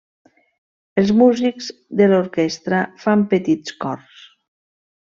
Els músics de l'orquestra fan petits cors.